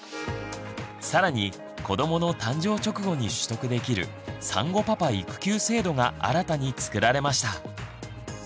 更に子どもの誕生直後に取得できる産後パパ育休制度が新たに作られました。